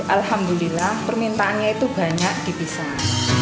alhamdulillah permintaannya itu banyak di pisang